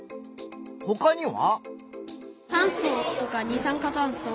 ほかには？